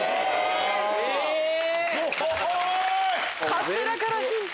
カステラからヒント。